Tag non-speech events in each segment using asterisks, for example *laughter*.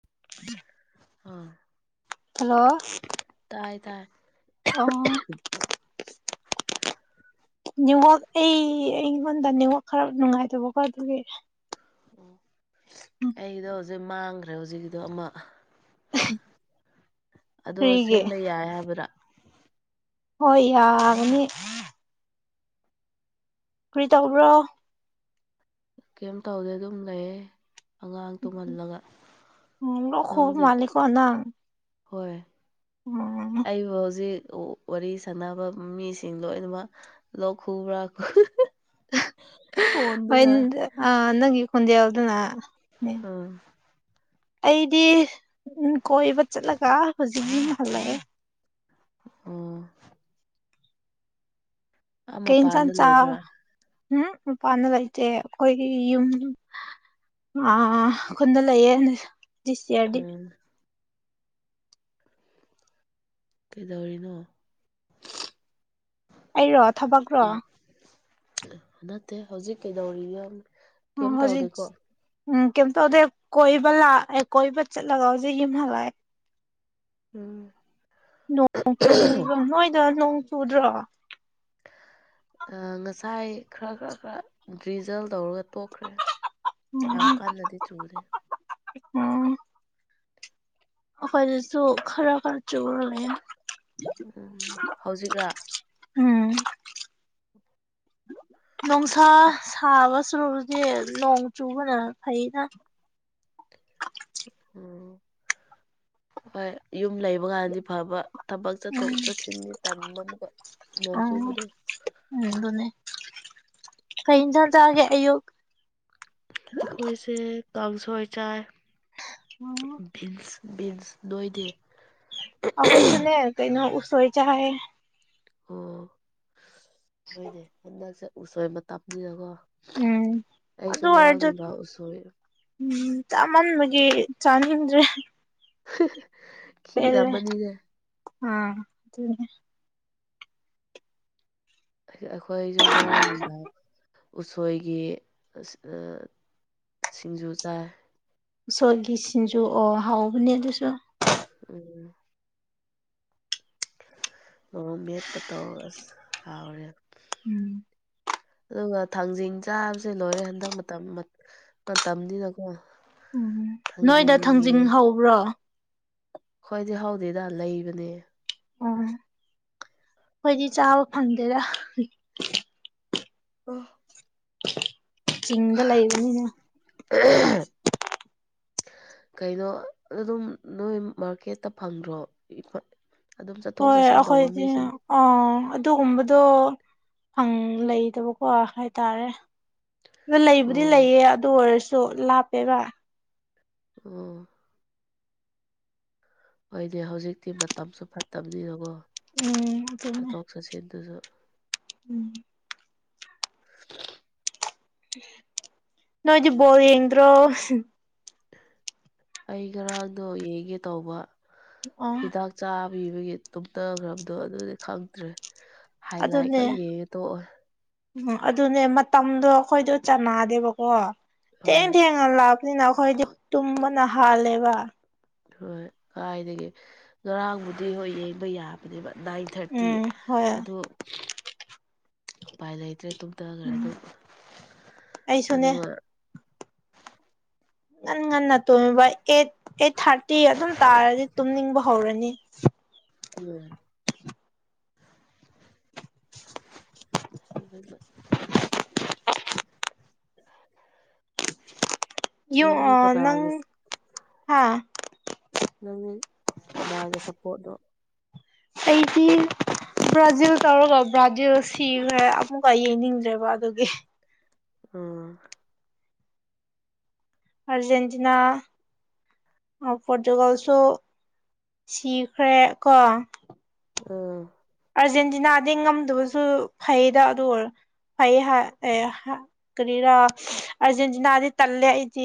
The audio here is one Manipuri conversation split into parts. *inaudible* ꯑꯥ ꯍꯜꯂꯣ ꯇꯥꯢ ꯇꯥꯢ ꯑꯣ ꯅꯦꯋꯥꯛ ꯑꯩ ꯑꯩꯉꯣꯟꯗ ꯅꯦꯋꯥꯛ ꯈꯔ ꯅꯨꯡꯉꯥꯏꯇꯕꯀꯣ ꯑꯗꯨꯒꯤ ꯎꯝ ꯑꯩꯗꯣ ꯍꯧꯖꯤꯛ ꯃꯥꯡꯒ꯭ꯔꯦ ꯍꯧꯖꯤꯛꯀꯤꯗꯣ ꯑꯃ *inaudible* ꯑꯗꯣ ꯀꯔꯤꯒꯤ ꯁꯦꯝꯕ ꯌꯥꯏ ꯍꯥꯏꯕꯔꯥ ꯍꯣꯏ ꯌꯥꯒꯅꯤ ꯀ꯭ꯔꯤ ꯇꯧꯕ꯭ꯔꯣ ꯀꯩꯝ ꯇꯧꯗꯦ ꯑꯗꯨꯝ ꯂꯩꯌꯦ ꯑꯉꯥꯡ ꯇꯨꯝꯍꯜꯂꯒ *unintelligible* ꯂꫭꯛ ꯈꯨꯕ ꯅꯪꯗꯤ ꯃꯥꯟꯂꯦꯀꯣ ꯅꯪ ꯍꯣꯏ ꯎꯝ ꯑꯩꯕꯨ ꯍꯧꯖꯤꯛ *unintelligible* ꯋꯥꯔꯤ ꯁꯥꯟꯅꯕ ꯃꯤꯁꯤꯡ ꯂꯣꯏꯅꯃꯛ ꯂꯣꯛ ꯈꯨꯕ꯭ꯔ ꯍꯣꯢ ꯑꯥ ꯅꯪꯒꯤ ꯈꯣꯟꯖꯦꯜꯗꯨꯅ ꯎꯝ ꯑꯩꯗꯤ *unintelligible* ꯀꯣꯏꯕ ꯆꯠꯂꯒ ꯍꯧꯖꯤꯛ ꯌꯨꯝ ꯍꯜꯂꯛꯑꯦ ꯎꯝ ꯀꯩ ꯏꯟꯁꯥꯡ ꯃꯄꯥꯟꯗ ꯆꯥ ꯂꯩꯕ꯭ꯔꯥ ꯎꯝ ꯃꯄꯥꯟꯗ ꯂꯩꯇꯦ ꯑꯈꯣꯏꯒꯤ ꯌꯨꯝ ꯑꯥ ꯈꯨꯟꯗ ꯂꯩꯌꯦ ꯗꯤꯁ ꯌꯔꯗꯤ ꯎꯝ ꯀꯩꯗꯧꯔꯤꯅꯣ ꯑꯩꯔꯣ ꯊꯕꯛ ꯔꯣ ꯎꯝ ꯅꯠꯇꯦ ꯍꯧꯖꯤꯛ ꯀꯩꯗꯧꯔꯤꯒꯦ *unintelligible* ꯀꯩꯝ ꯍꯧꯖꯤꯛ ꯇꯧꯗꯦꯀꯣ ꯎꯝ ꯀꯩꯝ ꯇꯧꯗꯦ ꯀꯣꯏꯕ ꯂꯥꯛꯑꯦ ꯀꯣꯏꯕ ꯆꯠꯂꯒ ꯍꯧꯖꯤꯛ ꯌꯨꯝ ꯍꯜꯂꯛꯑꯦ ꯎꯝ ꯅꯣꯡ ꯆꯨꯋꯤꯀꯣ ꯅꯣꯏꯗ ꯅꯣꯡ ꯆꯨꯗ꯭ꯔꯣ ꯑꯥ ꯉꯁꯥꯏ ꯈꯔ ꯈꯔ ꯈꯔ ꯗ꯭ꯔꯤꯖꯜ ꯇꯧꯔꯒ ꯇꯣꯛꯈ꯭ꯔꯦ ꯌꯥꯝ ꯀꯟꯅꯗꯤ ꯆꯨꯔꯦ ꯎꯝ ꯑꯩꯈꯣꯏꯗꯁꯨ ꯈꯔ ꯈꯔ ꯆꯨꯔ ꯂꯩꯔꯦ ꯎꯝ ꯍꯧꯖꯤꯛꯔꯥ ꯎꯝ ꯅꯨꯡꯁꯥ ꯆꯥꯛ ꯁꯥꯕ ꯆꯨꯗꯤ ꯅꯣꯡ ꯆꯨꯕꯅ ꯐꯩꯗ ꯎꯝ ꯍꯣꯏ ꯌꯨꯝ ꯂꯩꯕ ꯀꯥꯟꯗꯤ ꯐꯕ ꯊꯕꯛ ꯆꯠꯊꯣꯛ ꯆꯠꯁꯤꯟꯒꯤ ꯇꯟꯕ ꯑꯃꯨꯛꯀ ꯅꯣꯡ ꯎꯝ ꯆꯨꯕꯗꯣ ꯎꯝ ꯑꯗꯨꯅꯦ ꯀꯩ ꯏꯟꯖꯥꯡ ꯆꯥꯒꯦ ꯑꯌꯨꯛ ꯑꯩꯈꯣꯏꯁꯦ ꯀꯥꯡꯁꯣꯏ ꯆꯥꯏ ꯎꯝ ꯕꯤꯟꯁ ꯕꯤꯟꯁ ꯅꯣꯏꯗꯤ ꯑꯈꯣꯏꯁꯨꯅꯦ ꯀꯩꯅꯣ ꯎꯁꯣꯏ ꯆꯥꯏ ꯑꯣ ꯍꯣꯏꯅꯦ ꯍꯟꯗꯛꯁꯦ ꯎꯁꯣꯏ ꯃꯇꯝꯅꯤꯅꯤꯅꯀꯣ ꯎꯝ ꯑꯗꯨ ꯑꯣꯏꯔꯁꯨ ꯎꯁꯣꯏ ꯎꯝ ꯆꯥꯃꯟꯕꯒꯤ ꯆꯥꯅꯤꯡꯗ꯭ꯔꯦ *inaudible* ꯄꯦꯜꯂꯦ ꯈꯤꯔꯝꯃꯅꯤꯅꯦ ꯑꯥ ꯑꯗꯨꯅꯦ ꯑꯩꯈꯣꯏꯁꯨ ꯉꯔꯥꯡ ꯅꯨꯡꯗꯥꯡ ꯎꯁꯣꯏꯒꯤ ꯑꯥ ꯁꯤꯡꯖꯨ ꯆꯥꯏ ꯎꯁꯣꯏꯒꯤ ꯁꯤꯡꯖꯨ ꯑꯣ ꯍꯥꯎꯕꯅꯦ ꯑꯗꯨꯁꯨ ꯎꯝ ꯃꯣꯔꯣꯛ ꯃꯦꯠꯄ ꯇꯧꯔ ꯑꯁ ꯌꯥꯥꯎꯔꯦ ꯎꯝ ꯑꯗꯨꯒ ꯊꯥꯡꯖꯤꯡ ꯆꯥꯕꯁꯦ ꯂꯣꯏꯔꯦ ꯍꯟꯗꯛ ꯃꯇꯝ ꯃꯇꯝꯅꯤꯅꯀꯣ *inaudible* ꯎꯝ ꯅꯣꯏꯗ ꯊꯥꯡꯖꯤꯡꯒꯤ ꯊꯥꯡꯖꯤꯡ ꯍꯧꯕ꯭ꯔꯣ ꯈꯣꯏꯗꯤ ꯍꯧꯗꯦꯗ ꯂꯩꯕꯅꯦ ꯎꯝ ꯑꯩꯈꯣꯏꯗꯤ ꯆꯥꯕ ꯐꯪꯗꯦꯗ ꯑꯥ ꯆꯤꯡꯗ ꯂꯩꯕꯅꯤꯅ ꯀꯩꯅꯣ ꯑꯗꯨꯝ ꯅꯣꯏ ꯃꯥꯔꯀꯦꯠꯇ ꯐꯪꯗ꯭ꯔꯣ ꯑꯗꯨꯝ ꯆꯠꯊꯣꯛ ꯍꯣꯏ ꯆꯠꯁꯤꯟ ꯇꯧꯕ ꯑꯩꯈꯣꯏꯗꯤ ꯃꯤꯁꯤꯡ ꯑꯥ ꯑꯗꯨꯒꯨꯝꯕꯗꯣ ꯪꯐꯪꯪ ꯂꯩꯗꯕꯀꯣ ꯍꯥꯏꯇꯥꯔꯦ ꯑꯥ ꯂꯩꯕꯨꯗꯤ ꯑꯣ ꯂꯩꯌꯦ ꯑꯗꯨ ꯑꯣꯏꯔꯁꯨ ꯂꯥꯞꯄꯦꯕ ꯑꯥ ꯑꯩꯈꯣꯏꯗꯤ ꯍꯧꯖꯤꯛꯇꯤ ꯃꯇꯝꯁꯨ ꯐꯠꯇꯕꯅꯤꯅꯀꯣ ꯎꯝ ꯆꯠꯊꯣꯛ ꯆꯠꯁꯤꯟꯗꯨꯁꯨ ꯎꯝ *inaudible* ꯅꯣꯏꯗꯤ ꯕꯣꯜ ꯌꯦꯗ꯭ꯔꯣ ꯑꯩ ꯉꯔꯥꯡꯗꯣ ꯌꯦꯡꯒꯦ ꯇꯧꯕ ꯑꯣ ꯍꯤꯗꯥꯛ ꯆꯥꯕ ꯄꯤꯕꯒꯤ ꯇꯨꯝꯊꯈ꯭ꯔꯕꯗꯣ ꯑꯗꯨꯒꯤ ꯈꯪꯗ꯭ꯔꯦ ꯍꯥꯏ ꯂꯥꯏꯠ ꯑꯗꯨꯅꯦ ꯈꯛ ꯌꯦꯡꯉ ꯇꯣꯛꯑꯦ ꯎꯝ ꯑꯗꯨꯅꯦ ꯃꯇꯝꯗꯣ ꯑꯩꯈꯣꯏꯗꯣ ꯆꯥꯟꯅꯗꯦꯕꯀꯣ ꯊꯦꯡ ꯍꯣꯏ ꯊꯦꯡꯉ ꯂꯥꯛ ꯅꯤꯅ ꯑꯩꯈꯣꯏꯗꯤ ꯇꯨꯝꯕꯅ ꯍꯥꯜꯂꯦꯕ ꯍꯣꯏ ꯀꯥꯏꯗꯒꯤ ꯉꯔꯥꯡꯕꯨꯗꯤ ꯍꯣꯏ ꯌꯦꯡꯕ ꯌꯥꯕꯅꯦꯕ ꯅꯥꯏꯟ ꯊꯥꯔꯇꯤ ꯎꯝ ꯍꯣꯏ ꯑꯗꯣ ꯎꯄꯥꯏ ꯂꯩꯇ꯭ꯔꯦ ꯇꯨꯝꯊꯈ꯭ꯔꯦ ꯎꯝ ꯑꯗꯨꯝ ꯑꯩꯁꯨꯅꯦ ꯑꯗꯨꯒ ꯉꯟ ꯉꯟꯅ ꯇꯨꯝꯃꯕ ꯑꯦꯠ ꯑꯦꯠ ꯊꯥꯔꯇꯤ ꯑꯗꯨꯝ ꯇꯥꯔꯗꯤ ꯇꯨꯝꯅꯤꯡꯕ ꯍꯧꯔꯅꯤ ꯎꯝ ꯌꯣ ꯅꯪꯗꯤ ꯑꯣ ꯅꯪ ꯀꯅꯥꯒꯤ ꯍꯥ ꯅꯪꯅꯤ ꯀꯅꯥꯒꯤ ꯁꯞꯄꯣꯔꯠꯅꯣ ꯑꯩꯗꯤ ꯕ꯭ꯔꯥꯖꯤꯜ ꯇꯧꯔꯒ ꯕ꯭ꯔꯥꯖꯤꯜ ꯁꯤꯈ꯭ꯔꯦ ꯑꯃꯨꯛꯀ ꯌꯦꯡꯅꯤꯡꯗ꯭ꯔꯦꯕ ꯑꯗꯨꯒꯤ ꯎꯝ ꯑꯔꯖꯦꯟꯇꯤꯅꯥ ꯄꯣꯔꯇꯨꯒꯜꯁꯨ ꯁꯤꯈ꯭ꯔꯦ ꯀꯣ ꯑꯥ ꯑꯥꯔꯖꯦꯟꯇꯤꯅꯥꯗꯤ ꯉꯝꯗꯕꯁꯨ ꯐꯩꯗ ꯑꯗꯨ ꯑꯣꯏꯔ ꯐꯩꯑꯦ ꯍꯥꯏ ꯑꯦ ꯍꯥ ꯀꯔꯤꯔꯥ ꯑꯥꯔꯖꯦꯟꯇꯤꯅꯥꯗꯤ ꯇꯜꯂꯦ ꯑꯩꯗꯤ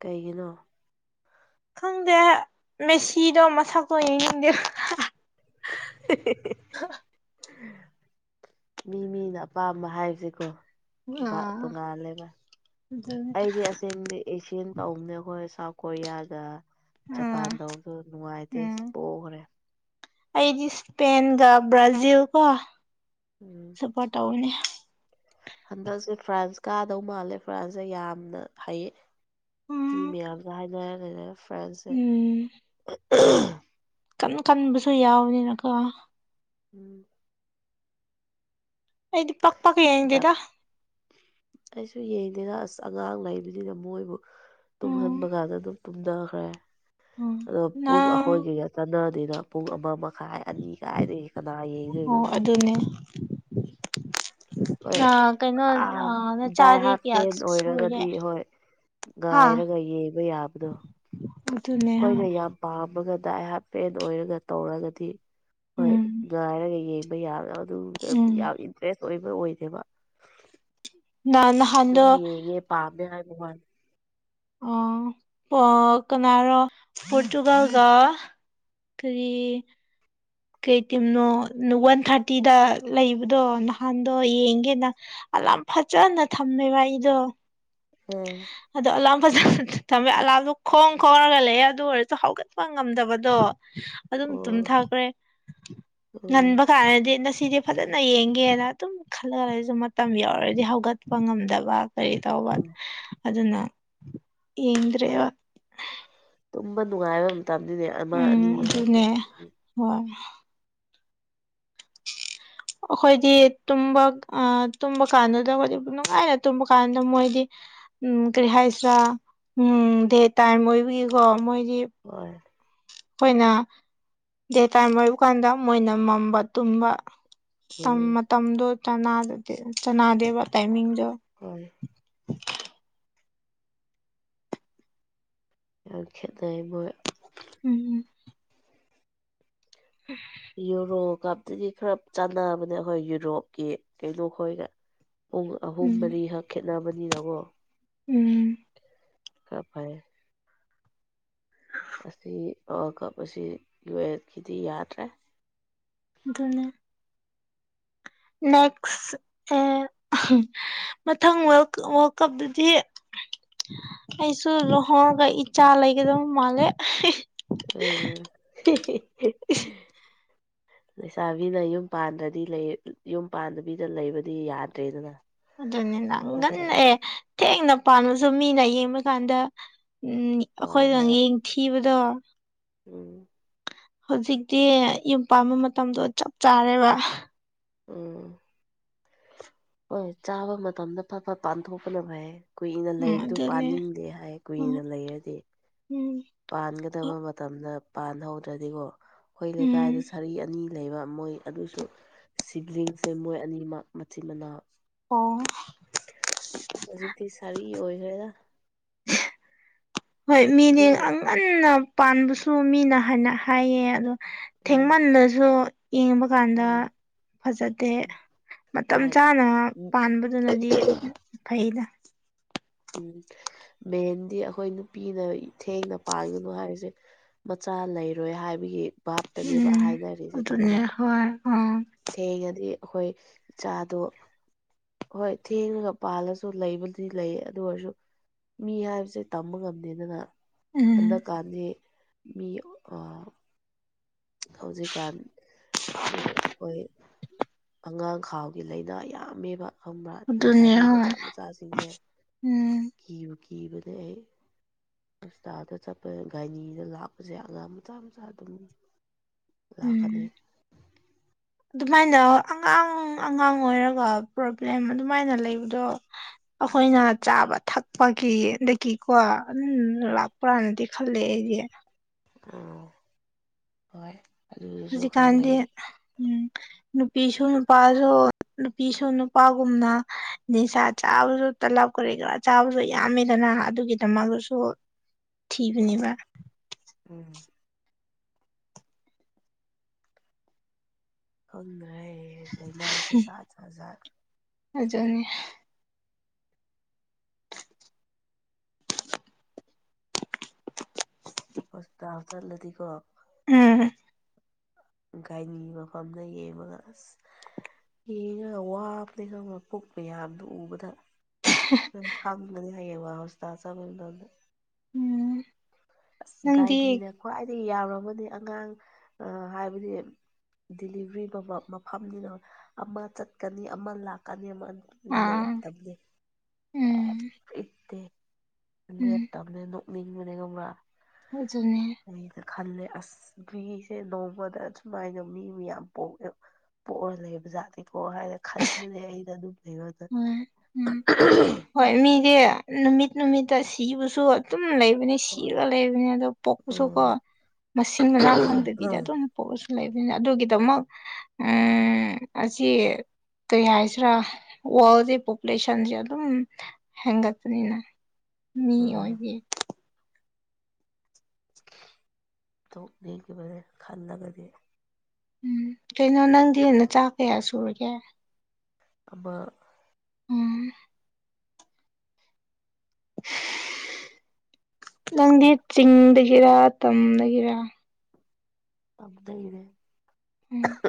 ꯀꯩꯒꯤꯅꯣ ꯈꯪꯗꯦ ꯃꯦꯁꯤꯗꯣ ꯃꯁꯛꯇꯣ ꯌꯦꯡꯅꯤꯡꯗꯦ ꯃꯤ ꯃꯤꯅ ꯑꯄꯥꯝꯕ ꯍꯥꯏꯕꯁꯦꯀꯣ ꯥ ꯇꯣꯡꯉꯥꯜ ꯑꯥ ꯇꯣꯡꯉꯥꯜꯂꯦꯕ ꯑꯗꯨꯅꯤ ꯑꯩꯗꯤ ꯑꯁꯦꯡꯕꯗꯤ ꯑꯦꯁꯤꯌꯥꯟ ꯇꯧꯕꯅꯦ ꯑꯩꯈꯣꯏ ꯁꯥꯎꯠ ꯀꯣꯔꯤꯌꯥꯒ ꯎꯝ ꯖꯄꯥꯟ ꯇꯧꯕꯗꯨ ꯅꯨꯡꯉꯥꯏꯇꯦ ꯎꯝ ꯄꯣꯒ꯭ꯔꯦ ꯑꯩꯗꯤ ꯏꯁꯄꯦꯟꯒ ꯕ꯭ꯔꯥꯖꯤꯜꯀꯣ ꯎꯝ ꯁꯞꯄꯣꯔꯠ ꯇꯧꯕꯅꯦ ꯍꯟꯗꯛꯁꯦ ꯐ꯭ꯔꯥꯟꯁ ꯀꯥꯗꯧ ꯃꯥꯜꯂꯦ ꯐ꯭ꯔꯥꯟꯁꯁꯦ ꯌꯥꯝꯅ ꯍꯩꯌꯦ ꯃꯤ ꯎꯝ ꯃꯌꯥꯝꯁꯨ ꯍꯥꯏꯅꯂꯩꯔꯦ ꯐ꯭ꯔꯦꯟꯁꯦ ꯀꯟꯕ ꯀꯟꯕꯁꯨ ꯌꯥꯎꯕꯅꯤꯅꯀꯣ ꯎꯝ ꯑꯩꯗꯤ ꯄꯛ ꯄꯛ ꯕꯠ ꯌꯦꯡꯗꯦꯗ ꯑꯩꯁꯨ ꯌꯦꯡꯗꯦꯗ ꯑꯁ ꯑꯉꯥꯡ ꯂꯩꯕꯅꯤꯅ ꯃꯣꯏꯕꯨ ꯎꯝ ꯇꯨꯝꯍꯟꯕ ꯀꯥꯟꯗ ꯑꯗꯨꯝ ꯇꯨꯝꯗꯈ꯭ꯔꯦ ꯎꯝ ꯑꯗꯣ ꯄꯨꯡ ꯅꯪ ꯑꯩꯈꯣꯏꯒꯤ ꯅꯀꯟꯗ ꯑꯗꯨꯅ ꯄꯨꯡ ꯑꯃ ꯃꯈꯥꯏ ꯑꯅꯤ ꯀꯥꯏꯗꯒꯤ ꯀꯅꯥ ꯌꯦꯡꯗꯣꯏꯅꯣ ꯗꯨ *inaudible* ꯍꯣꯏ ꯑ ꯀꯩꯅꯣ ꯑ ꯑꯥ ꯗꯥꯏ ꯅꯆꯥꯗꯤ ꯍꯥꯔꯠ ꯀꯌꯥ ꯐꯦꯟ ꯁꯨ ꯁꯨꯔꯒꯦ ꯑꯣꯏꯔꯒꯗꯤ ꯍꯣꯏ ꯍꯥ ꯉꯥꯏꯔꯒ ꯌꯦꯡꯕ ꯌꯥꯕꯗꯣ ꯑꯗꯨꯅꯦ ꯍꯥꯏ ꯑꯃꯒ ꯗꯥꯏ ꯍꯥꯞꯄꯦꯟ ꯑꯣꯏꯔꯒ ꯇꯧꯔꯒꯗꯤ ꯍꯣꯏ ꯎꯝ ꯉꯥꯏꯔꯒ ꯌꯦꯡꯕ ꯌꯥꯕꯅꯑ ꯑꯗꯨꯗ ꯎꯝ ꯌꯥꯝ ꯏꯟꯇꯔꯦꯁ ꯑꯣꯏꯕ ꯑꯣꯏꯗꯦꯕ ꯃ ꯅꯍꯥꯟꯗꯣ ꯋꯥꯟ ꯑ ꯑ ꯀꯅꯥꯔ ꯄꯣꯔꯇꯨꯒꯜꯒ ꯀꯔꯤ ꯀꯩꯇꯤꯝꯅꯣ ꯋꯥꯟ ꯊꯥꯔꯇꯤꯗ ꯂꯩꯕꯗꯣ ꯅꯍꯥꯟꯗꯣ ꯌꯦꯡꯒꯦꯅ ꯑꯂꯥꯝ ꯐꯖꯅ ꯊꯝꯃꯦꯕ ꯑꯩꯗꯣ ꯎꯝ ꯑꯗꯣ ꯑꯂꯥꯝ ꯐꯖꯅ ꯊꯝꯃꯦ ꯑꯂꯥꯝꯗꯣ ꯈꯣꯡ ꯈꯣꯡꯔꯒ ꯂꯩꯑꯦ ꯑꯗꯨ ꯑꯣꯏꯔꯁꯨ ꯍꯧꯒꯠꯄ ꯉꯝꯗꯕꯗꯣ ꯑꯗꯨꯝ ꯑꯣ ꯇꯨꯝꯊꯈ꯭ꯔꯦ ꯎꯝ ꯉꯟꯕ ꯀꯥꯟꯗꯗꯤ ꯉꯁꯤꯗꯤ ꯐꯖꯅ ꯌꯦꯡꯒꯦꯅ ꯑꯗꯨꯝ ꯈꯜꯂ *unintelligible* ꯃꯇꯝ ꯌꯧꯔꯗꯤ ꯍꯧꯒꯠꯄ ꯉꯝꯗꯕ ꯀꯔꯤ *unintelligible* ꯍꯣꯏ ꯑꯗꯨꯅ ꯌꯦꯡꯗ꯭ꯔꯦꯕ ꯇꯨꯝꯕ ꯅꯨꯡꯉꯥꯏꯕ ꯃꯇꯝꯗꯨꯅꯦ ꯑꯃ ꯑꯅꯤ ꯎꯝ ꯍꯥꯏꯁꯦ ꯑꯗꯨꯅꯦ ꯍꯣꯏ *inaudible* ꯑꯈꯣꯏꯗꯤ ꯇꯨꯝꯕ ꯇꯨꯝꯕ ꯀꯥꯟꯗꯨꯗ ꯑꯩꯈꯣꯏꯗꯤ ꯅꯨꯡꯉꯥꯏꯅ ꯇꯨꯝꯕ ꯀꯥꯟꯗ ꯃꯣꯏꯗꯤ ꯎꯝ ꯀꯔꯤ ꯍꯥꯏꯁꯤꯔ ꯎꯝ ꯗꯦ ꯇꯥꯏꯝ ꯑꯣꯏꯕꯒꯤ ꯀꫭ ꯍꯣꯏ ꯑꯈꯣꯏꯅ ꯗꯦ ꯇꯥꯏꯝ ꯑꯣꯏꯕ ꯀꯥꯟꯗ ꯃꯣꯏꯅ ꯃꯝꯕ ꯇꯨꯝꯕ *unintelligible* ꯎꯝ ꯃꯇꯝꯗꯣ ꯆꯅꯥꯗꯦꯕ ꯇꯥꯏꯃꯤꯡ ꯍꯣꯏ ꯌꯥꯝ ꯈꯦꯠꯅꯩ ꯃꯣꯏ ꯎꯝ ꯎꯝ ꯌꯨꯔꯣꯀꯥꯞꯇꯗꯤ ꯈꯔ ꯆꯥꯟꯅꯕꯅꯦ ꯑꯈꯣꯏ ꯌꯨꯔꯣꯞꯀꯤ ꯀꯩꯅꯣ ꯈꯣꯏꯒ ꯄꯨꯡ ꯑꯍꯨꯝ ꯎꯝ ꯃꯔꯤꯈꯛ ꯈꯦꯠꯅꯕꯅꯤꯅꯀꯣ ꯎꯝ ꯈꯔ ꯐꯩꯌꯦ ꯋꯥꯔꯜ ꯀꯞ ꯑꯁꯤ ꯌꯨꯑꯦꯞꯀꯤꯗꯤ ꯌꯥꯗ꯭ꯔꯦ ꯑꯗꯨꯅꯦ ꯅꯦꯛꯁ ꯑꯦ *unintelligible* *unintelligible* ꯃꯊꯪ ꯋꯥꯔꯜ ꯋꯥꯔꯜ ꯀꯞꯇꯗꯤ ꯑꯩꯁꯨ ꯂꯨꯍꯣꯡꯉꯒ ꯏꯆꯥ ꯂꯩꯒꯗꯕ ꯃꯥꯜꯂꯦ ꯑ‌ *unintelligible* ꯂꯩꯁꯥꯕꯤꯅ ꯌꯨꯝ ꯄꯥꯟꯗ꯭ꯔꯗꯤ *unintelligible* ꯌꯨꯝ ꯄꯥꯟꯗꯕꯤꯗ ꯂꯩꯕꯗꯤ ꯌꯥꯗ꯭ꯔꯦꯗꯅ ꯑꯗꯨꯅꯦꯅ ꯅꯠꯇ꯭ꯔꯥ ꯉꯟꯅ ꯑꯦ ꯊꯦꯡꯅ ꯄꯥꯟꯂꯁꯨ ꯃꯤꯅ ꯌꯦꯡꯕ ꯀꯥꯟꯗ ꯎꯝ ꯍꯣꯏ ꯑꯩꯈꯣꯏꯅ ꯍꯣꯏ ꯌꯦꯡꯊꯤꯕꯗꯣ ꯎꯝ ꯍꯧꯖꯤꯛꯇꯤ ꯌꯨꯝ ꯄꯥꯟꯕ ꯃꯇꯝꯗꯣ ꯆꯞ ꯆꯥꯔꯦꯕ ꯎꯝ ꯍꯣꯏ ꯆꯥꯕ ꯃꯇꯝꯗ ꯐꯠ ꯐꯠ ꯄꯥꯟꯊꯣꯛꯄꯅ ꯐꯩꯌꯦ ꯀꯨꯏꯅ ꯎꯝ ꯂꯩꯕꯗꯨ ꯑꯗꯨꯅꯦ ꯄꯥꯅꯤꯡꯗꯦ ꯍꯥꯏ ꯀꯨꯏꯅ ꯍꯣꯏ ꯂꯩꯔꯗꯤ ꯎꯝ ꯍꯣꯏ ꯄꯥꯟꯒꯗꯕ ꯃꯇꯝꯗ ꯄꯥꯟꯍꯧꯗ꯭ꯔꯗꯤꯀꯣ ꯑꯈꯣꯏ ꯎꯝ ꯂꯩꯀꯥꯏꯗ ꯁꯔꯤ ꯑꯅꯤ ꯂꯩꯕ ꯃꯣꯏ ꯑꯗꯨꯁꯨ ꯁꯤꯕ꯭ꯂꯤꯡꯁꯦ ꯃꯣꯏ ꯑꯅꯤꯃꯛ ꯃꯆꯤꯟ ꯃꯅꯥꯎ ꯑꯣ ꯍꯧꯖꯤꯛꯗꯤ ꯁꯔꯤ ꯑꯣꯏꯈ꯭ꯔꯦꯗ ꯍꯣꯏ ꯃꯤꯅꯦ ꯑꯗꯨꯕꯨ ꯑꯉꯟꯅ ꯄꯥꯟꯕꯁꯨ ꯃꯤꯅ ꯍꯥꯏꯅ ꯍꯥꯏꯌꯦ ꯑꯗꯣ ꯎꯝ ꯊꯦꯡꯃꯟꯂꯁꯨ ꯌꯦꯡꯕ ꯀꯥꯟꯗ ꯍꯣꯏ ꯐꯖꯗꯦ ꯃꯇꯝ ꯇꯥꯏ ꯆꯥꯅ ꯎꯝ ꯄꯥꯟꯕꯗꯨꯅꯗꯤ ꯐꯩꯗ ꯎꯝ ꯃꯦꯟꯗꯤ ꯑꯈꯣꯏ ꯅꯨꯄꯤꯅ ꯊꯦꯡꯅ ꯄꯥꯟꯒꯅꯨ ꯍꯥꯏꯔꯤꯁꯦ ꯃꯆꯥ ꯃꯆꯥ ꯂꯩꯔꯣꯏ ꯍꯥꯏꯕꯒꯤ ꯚꯥꯞꯇꯅꯦꯕ ꯎꯝ ꯍꯥꯏꯅꯔꯤꯁꯦ ꯑꯗꯨꯅꯦ ꯈꯪꯕ꯭ꯔ ꯍꯣꯏ ꯑꯥ ꯊꯦꯡꯉꯗꯤ ꯑꯈꯣꯏ ꯏꯆꯥꯗꯣ ꯍꯣꯏ ꯊꯦꯡꯔꯒ ꯄꯥꯜꯂꯁꯨ ꯂꯩꯕꯨꯗꯤ ꯂꯩꯌꯦ ꯑꯗꯨ ꯑꯣꯏꯔꯁꯨ ꯃꯤ ꯍꯥꯏꯕꯁꯦ ꯇꯝꯕ ꯉꯝꯗꯦꯗꯅ ꯎꯝ ꯍꯟꯗꯛꯀꯥꯟꯗꯤ ꯃꯤ ꯑ ꯍꯧꯖꯤꯛꯀꯥꯟ *unintelligible* ꯑꯉꯥꯡ ꯈꯥꯎꯒꯤ ꯂꯥꯏꯅꯥ ꯌꯥꯝꯃꯦꯕ ꯈꯪꯕ꯭ꯔꯥ ꯑꯗꯨꯅꯦ ꯂꯩꯁꯥꯕꯤ ꯍꯣꯏ ꯃꯆꯥ ꯃꯆꯥꯁꯤꯡꯁꯦ ꯎꯝ ꯀꯤꯕꯨ ꯀꯤ ꯀꯤꯕꯗ ꯑꯩ ꯍꯣꯁꯄꯤꯇꯥꯜꯗ ꯆꯠꯄꯁꯦ ꯒꯥꯏꯅꯤꯗ ꯂꯥꯛꯄꯁꯦ ꯑꯉꯥꯡ ꯃꯆꯥ ꯃꯆꯥ ꯑꯗꯨꯝ ꯎꯝ ꯂꯥꯛꯀꯅꯤ ꯑꯗꯨꯃꯥꯏꯅ ꯑꯉꯥꯡ ꯑꯉꯥꯡ ꯑꯣꯏꯔꯒ ꯄ꯭ꯔꯣꯕ꯭ꯂꯦꯝ ꯑꯗꯨꯃꯥꯏꯅ ꯂꯩꯕꯗꯣ ꯑꯩꯈꯣꯏꯅ ꯆꯥꯕ ꯊꯛꯄꯒꯤꯗꯒꯤꯀꯣ ꯑꯗꯨꯝ ꯂꯥꯛꯄ꯭ꯔꯅꯗꯤ ꯈꯜꯂꯦ ꯑꯩꯗꯤ ꯑꯝ ꯍꯣꯏ ꯑꯗꯨꯒꯤꯁꯨ ꯈꯔ ꯍꯧꯖꯤꯛꯀꯥꯟꯗꯤ ꯂꯩꯔꯦ ꯎꯝ ꯅꯨꯄꯤꯁꯨ ꯅꯨꯄꯥꯁꯨ ꯅꯨꯄꯤꯁꯨ ꯅꯨꯄꯥꯒꯨꯝꯅ ꯅꯤꯁꯥ ꯆꯥꯕꯁꯨ ꯇꯂꯕ ꯀꯔꯤ ꯀꯔꯥ ꯆꯥꯕꯁꯨ ꯌꯥꯝꯃꯦꯗꯅ ꯑꯗꯨꯒꯤꯗꯃꯛꯁꯨ *inaudible* ꯊꯤꯕꯅꯦꯕ ꯎꯝ ꯈꯪꯗ꯭ꯔꯦ ꯂꯥꯏꯅꯥꯁꯦ ꯖꯥꯠ ꯖꯥꯠ ꯖꯥꯠ ꯑꯗꯨꯅꯤ ꯍꯣꯁꯄꯤꯇꯥꯜ ꯆꯠꯂꯗꯤꯀꯣ ꯎꯝ ꯥꯒꯥꯏꯅꯤꯒꯤ ꯃꯐꯝꯗ ꯌꯦꯡꯉꯒ ꯑꯁ ꯌꯦꯡꯉ ꯋꯥꯕꯅꯤ ꯈꯪꯕꯔꯥ ꯄꯨꯛ ꯃꯌꯥꯝꯗꯣ ꯎꯕꯗ ꯅꯪ ꯈꯪꯒꯅꯤ ꯍꯌꯦꯡꯋꯥꯏ ꯍꯣꯁꯄꯤꯇꯥꯜ ꯆꯠꯄꯥ ꯃꯇꯝꯗ ꯎꯝ ꯑꯁ ꯅꯪꯗꯤ ꯒꯥꯏꯅꯤꯅ ꯈ꯭ꯋꯥꯏꯗꯒꯤ ꯌꯥꯝꯂꯝꯒꯅꯤ ꯑꯉꯥꯡ ꯑ ꯍꯥꯏꯕꯗꯤ ꯗꯤꯂꯤꯚ꯭ꯔꯤ ꯇꯧꯕꯥ ꯃꯐꯝꯅꯤꯅ ꯑꯃ ꯆꯠꯀꯅꯤ ꯑꯃ ꯂꯥꯛꯀꯅꯤ ꯑꯥ ꯂꯦꯞꯇꯕꯅꯦ ꯁꯨꯪꯂꯦꯞ ꯎꯝ ꯂꯦꯞꯇꯦ ꯎꯝ ꯂꯦꯞꯇꯕꯅꯦ ꯅꯣꯛꯅꯤꯡꯕꯅꯦ ꯈꯪꯕ꯭ꯔꯥ ꯑꯗꯨꯅꯦ ꯑꯩꯅ ꯈꯜꯂꯦ ꯑꯁ ꯅꯨꯄꯤꯁꯦ ꯅꯣꯡꯃꯗ ꯁꯨꯃꯥꯏꯅ ꯃꯤ ꯃꯌꯥꯝ ꯄꯣꯛꯑꯦ ꯄꯣꯛꯑ ꯂꯩꯕꯖꯥꯠꯅꯤꯀꯣ ꯍꯥꯏꯅ ꯈꯟꯕꯅꯦ ꯑꯩꯅ ꯑꯗꯨꯝ ꯂꯩꯕꯗ ꯎꯝ ꯎꯝ ꯍꯣꯏ ꯃꯤꯖꯦ ꯅꯨꯃꯤꯠ ꯅꯨꯃꯤꯠꯇ ꯁꯤꯕꯁꯨ ꯑꯗꯨꯝ ꯗꯨꯝ ꯂꯩꯕꯅꯤ ꯍꯣꯏ ꯁꯤꯔꯒ ꯂꯩꯕꯅꯤ ꯑꯗꯨ ꯄꯣꯛꯄꯁꯨ ꯀꯣ ꯎꯝ ꯃꯁꯤꯡ ꯃꯅꯥ ꯈꯪꯗꯕꯤꯗ ꯎꯝ ꯑꯗꯨꯝ ꯄꯣꯛꯑꯁꯨ ꯂꯩꯕꯅꯤ ꯑꯗꯨꯒꯤꯗꯃꯛ ꯎꯝ ꯑꯁꯤ ꯀꯩ ꯍꯥꯏꯁꯤꯔꯥ ꯋꯥꯔꯜꯁꯦ ꯄꯣꯄꯨꯂꯦꯁꯟꯁꯦ ꯑꯗꯨꯝ ꯍꯦꯟꯒꯠꯄꯅꯤ ꯃꯤ ꯎꯝ ꯑꯣꯏꯕꯤ ꯇꯣꯛꯅꯤꯡꯕꯅꯦ ꯈꯜꯂꯒꯗꯤ ꯎꯝ ꯀꯩꯅꯣ ꯅꯪꯗꯤ ꯅꯆꯥꯥ ꯀꯌꯥ ꯁꯨꯔꯒꯦ ꯑꯃ ꯎꯝ *inaudible* ꯅꯪꯗꯤ ꯆꯤꯡꯗꯒꯤꯔꯥ ꯇꯝꯗꯒꯤꯔ ꯇꯝꯗꯒꯤꯅꯦ ꯎꯝ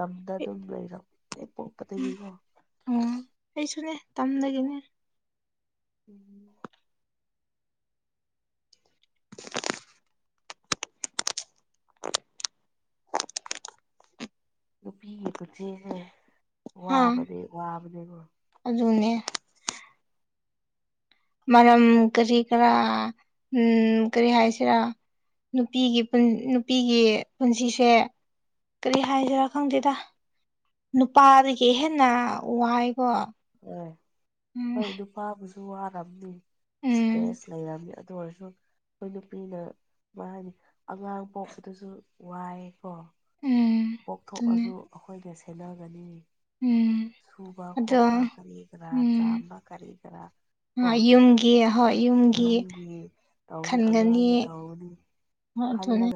ꯇꯝꯗ ꯑꯗꯨꯝ ꯂꯩꯔꯛ ꯍꯦꯛ ꯄꯣꯛꯄꯗꯒꯤꯀꯣ ꯎꯝ ꯑꯣ ꯑꯩꯁꯨꯅꯦ ꯇꯝꯗꯒꯤꯅꯦ ꯎꯝ *inaudible* ꯅꯨꯄꯤꯒꯤ ꯄꯨꯟꯁꯤꯁꯦ ꯍꯥ ꯋꯥꯕꯗꯤ ꯋꯥꯕꯅꯦꯕꯨ ꯑꯗꯨꯅꯦ ꯃꯔꯝ ꯀꯔꯤ ꯀꯔꯥ ꯎꯝ ꯀꯔꯤ ꯍꯥꯏꯁꯤꯔꯥ ꯅꯨꯄꯤꯒꯤ ꯄꯨꯟ ꯅꯨꯄꯤꯒꯤ ꯄꯨꯟꯁꯤꯁꯦ ꯀꯔꯤ ꯍꯥꯏꯁꯤꯔꯥ ꯈꯪꯗꯦꯗ ꯅꯨꯄꯥꯗꯒꯤ ꯍꯦꯟꯅ ꯋꯥꯏ ꯎꯝ ꯍꯣꯏ ꯅꯨꯄꯥꯕꯨꯁꯨ ꯋꯥꯔꯝꯅꯤ ꯎꯝ ꯁꯇ꯭ꯔꯦꯁ ꯂꯩꯔꯝꯃꯤ ꯑꯗꯨ ꯑꯣꯏꯔꯁꯨ ꯑꯈꯣꯏ ꯅꯨꯄꯤꯅ ꯃꯥꯅꯤ ꯑꯉꯥꯡ ꯄꯣꯛꯄꯗꯨꯁꯨ ꯋꯥꯏ ꯀꯣ ꯎꯝ ꯑꯗꯨꯅꯦ ꯄꯣꯛꯊꯣꯛꯑꯁꯨ ꯑꯈꯣꯏꯅ ꯁꯦꯟꯅꯒꯅꯤ ꯎꯝ ꯁꯨꯕ ꯑꯗꯣ ꯈꯣꯠꯄ ꯀꯔꯤ ꯀꯔꯥ ꯆꯥꯝꯕ ꯀꯔꯤ ꯀꯔꯥ ꯀꯣ ꯑ ꯌꯨꯝꯒꯤ ꯍꯣꯏ ꯌꯨꯝꯒꯤ ꯇꯧꯅꯤ ꯈꯟꯒꯅꯤ ꯑꯉꯥꯡꯒꯤ ꯇꯧꯅꯤ ꯑꯗꯨꯅꯦ ꯈꯜꯂꯒ